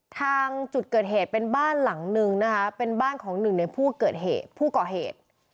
ทางจุดเกิดเหตุเป็นบ้านหลังนึงนะคะเป็นบ้านของหนึ่งในผู้เกิดเหตุผู้ก่อเหตุ